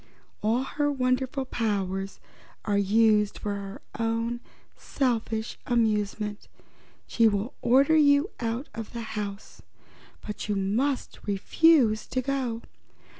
All her wonderful powers are used for her own selfish amusement. She will order you out of the house but you must refuse to go.